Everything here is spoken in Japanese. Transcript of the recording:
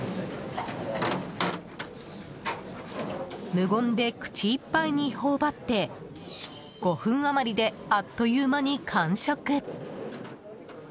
無言で口いっぱいに頬張って５分余りであっという間に完食。